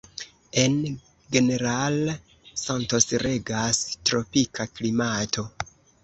En General Santos regas tropika klimato.